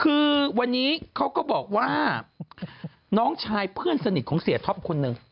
คือวันนี้เขาก็บอกว่าน้องชายเพื่อนสนิทของเสียท็อปคนหนึ่ง